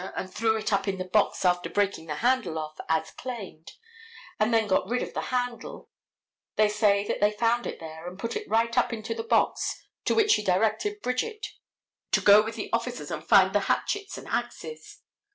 and threw it up in the box after breaking the handle off, as claimed, and then got rid of the handle; they say that they found it there, and put it right up into the box to which she directed Bridget to go with the officers and find the hatchets and axes.